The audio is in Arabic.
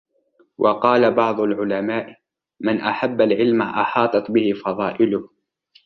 وَقَالَ بَعْضُ الْعُلَمَاءِ مَنْ أَحَبَّ الْعِلْمَ أَحَاطَتْ بِهِ فَضَائِلُهُ